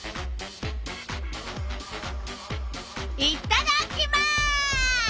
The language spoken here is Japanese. いっただきます！